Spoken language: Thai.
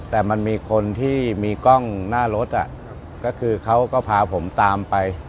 แต่มันมีคนที่มีกล้องหน้ารถก็คือเขาก็พาผมตามไป